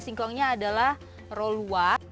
singkongnya adalah rolua